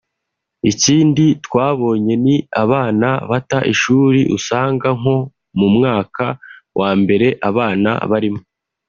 ikindi twabonye ni abana bata ishuri usanga nko mu mwaka wa mbere abana barimo